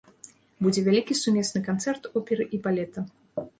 Будзе вялікі сумесны канцэрт оперы і балета.